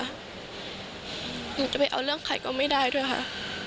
หนูจะไปเอาเรื่องใครก็ไม่ได้ด้วยค่ะ